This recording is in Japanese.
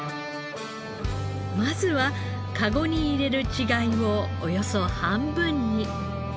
まずはカゴに入れる稚貝をおよそ半分に。